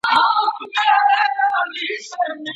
کږدۍ بې تور رنګه نه وي.